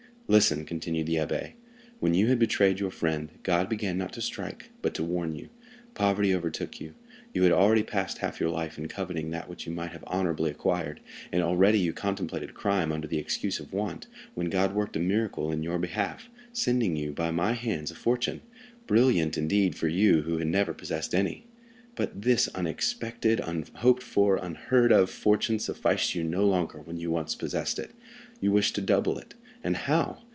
"Listen," continued the abbé. "When you had betrayed your friend, God began not to strike, but to warn you. Poverty overtook you. You had already passed half your life in coveting that which you might have honorably acquired; and already you contemplated crime under the excuse of want, when God worked a miracle in your behalf, sending you, by my hands, a fortune—brilliant, indeed, for you, who had never possessed any. But this unexpected, unhoped for, unheard of fortune sufficed you no longer when you once possessed it; you wished to double it, and how?